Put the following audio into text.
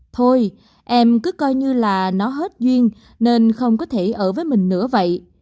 thôi em cứ coi như là nó hết duyên nên không có thể ở với mình nữa vậy